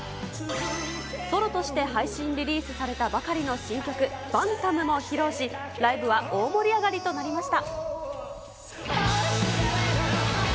ソロとして配信リリースされたばかりの新曲、ＢＡＮＴＡＭも披露し、ライブは大盛り上がりとなりました。